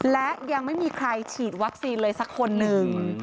และยังไม่มีใครฉีดวัคซีนเลยสักคนหนึ่ง